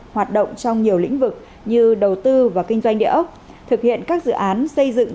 hoạt động trong nhiều lĩnh vực như đầu tư và kinh doanh địa ốc thực hiện các dự án xây dựng